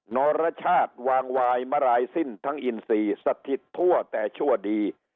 นรชาติวางวายมารายสิ้นทั้งอินซีสถิตทั่วแต่ชั่วดี